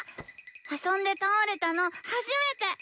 あそんでたおれたのはじめて！